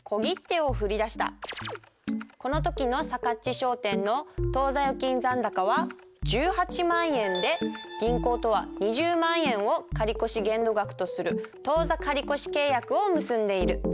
商店の当座預金残高は１８万円で銀行とは２０万円を借越限度額とする当座借越契約を結んでいる。